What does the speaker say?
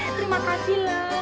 terima kasih loh